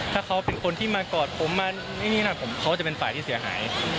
ถ้าเขาเป็นคนที่มากอดผมมานี่นั่นเขาจะเป็นฝ่ายที่เสียหาย